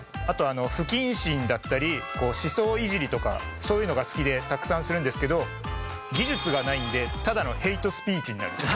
あと不謹慎だったり思想いじりとかそういうのが好きでたくさんするんですけど技術がないんでただのヘイトスピーチになる。